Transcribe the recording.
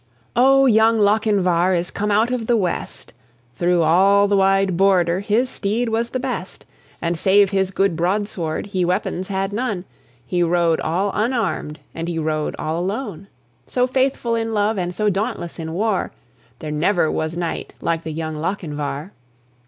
Oh, young Lochinvar is come out of the west. Through all the wide Border his steed was the best, And save his good broadsword he weapons had none; He rode all unarmed, and he rode all alone. So faithful in love, and so dauntless in war, There never was knight like the young Lochinvar.